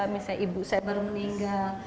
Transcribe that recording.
misalnya ibu saya baru meninggal